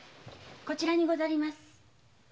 こちらでございます。